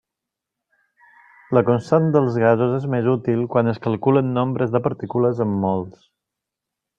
La constant dels gasos és més útil quan es calculen nombres de partícules en mols.